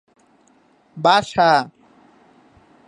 গোলাম রাব্বানী হেলাল বাংলাদেশে জন্মগ্রহণ করেছিলেন।